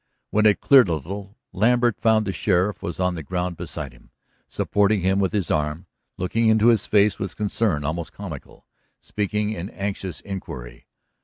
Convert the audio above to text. When it cleared a little, Lambert found the sheriff was on the ground beside him, supporting him with his arm, looking into his face with concern almost comical, speaking in anxious inquiry.